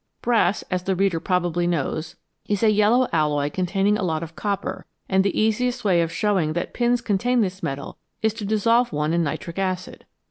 Brass, as the reader probably knows, is a yellow alloy containing a lot of copper, and the easiest way of showing that pins contain this metal is to dissolve one in nitric acid.